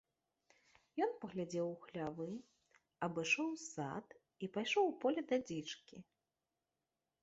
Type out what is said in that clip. Ён паглядзеў у хлявы, абышоў сад і пайшоў у поле да дзічкі.